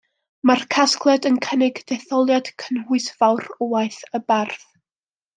Mae'r casgliad yn cynnig detholiad cynhwysfawr o waith y bardd.